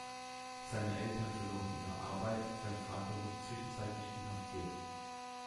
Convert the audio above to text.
Seine Eltern verloren ihre Arbeit, sein Vater wurde zwischenzeitlich inhaftiert.